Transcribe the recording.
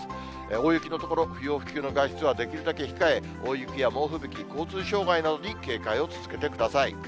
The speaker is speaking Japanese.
大雪の所、不要不急の外出はできるだけ控え、大雪や猛吹雪、交通障害などに警戒を続けてください。